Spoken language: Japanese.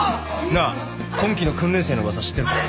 なあ今期の訓練生の噂知ってるか？